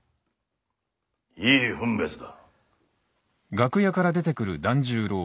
いい分別だ。